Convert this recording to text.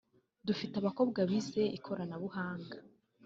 Dufite abakobwa bize ikoranabuhanga